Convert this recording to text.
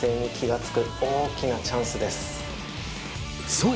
そう！